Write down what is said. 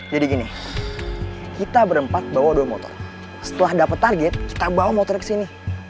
jadi gini kita berempat bawa dua motor setelah dapet target kita bawa motornya ke sini